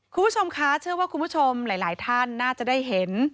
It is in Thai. คุณผู้ชมคะเชื่อว่าคุณผู้ชมหลายท่านน่าจะได้เห็น